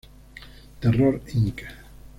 Terror Inc.